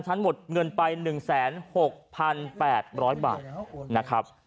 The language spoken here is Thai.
ชั้นหมดเงินไป๑๐๖๘๐๐บาท